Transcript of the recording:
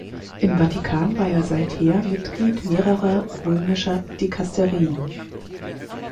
Im Vatikan war er seither Mitglied mehrerer römischer Dikasterien.